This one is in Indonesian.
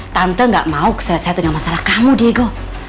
tante gak mau keset set dengan masalah kamu diego